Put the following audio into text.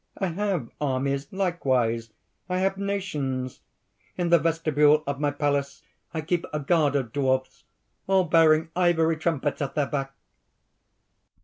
I have armies likewise; I have nations! In the vestibule of my palace I keep a guard of dwarfs all bearing ivory trumpets at their backs."